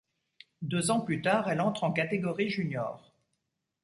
Deux ans plus tard, elle entre en catégorie junior.